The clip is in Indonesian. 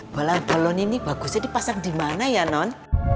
ya allah tolong ini bagusnya dipasang di mana ya non